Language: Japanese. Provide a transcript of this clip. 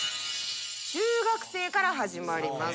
中学生から始まります。